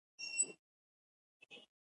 د احمد د خولې خوند ناحق بد سو.